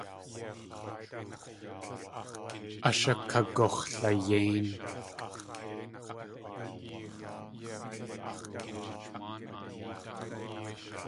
Ashakagux̲layéin.